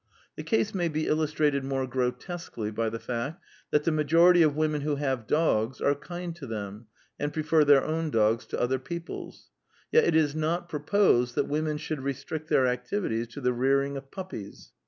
The case may be illustrated more gro tesquely by the fact that the majority of women who have dogs, are kind to them, and prefer their own dogs to other people's ; yet it is not proposed that women should restrict their activities to the rearing of puppies.